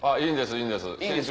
いいんですか。